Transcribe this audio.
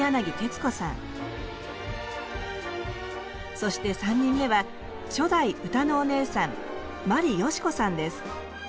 そして３人目は初代歌のお姉さん眞理ヨシコさんです。